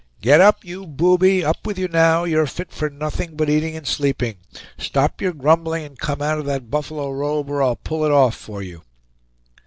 "Get up, you booby! up with you now, you're fit for nothing but eating and sleeping. Stop your grumbling and come out of that buffalo robe or I'll pull it off for you."